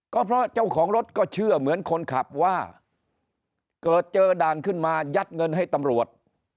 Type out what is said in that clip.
ก็เพราะเจ้าของรถก็เชื่อเหมือนคนขับว่าเกิดเจอด่านขึ้นมายัดเงินให้ตำรวจ